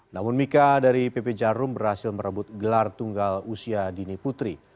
namun mika dari pb jarum berhasil merebut gelar tunggal usyadi putri